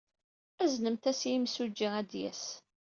Aznemt-as i yimsujji, ad d-yas.